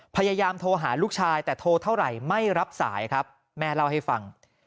พยายามโทรหาลูกชายแต่โทรเท่าไหร่ไม่รับสายครับแม่เล่าให้ฟัง